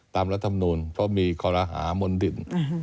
ตามรัฐธรรมนูลเพราะมีคอละหามนติด